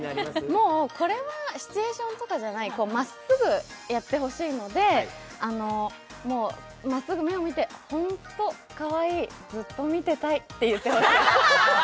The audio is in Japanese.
もう、これはシチュエーションとかじゃない、まっすぐやってほしいのでまっすぐ目を見て、ホントかわいいずっと見てたいって言ってほしい。